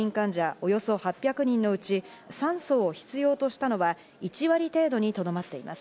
およそ８００人のうち、酸素を必要としたのは１割程度にとどまっています。